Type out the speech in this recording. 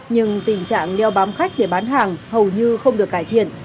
nhưng tình trạng đeo bám khách để bán hàng hầu như không được cải thiện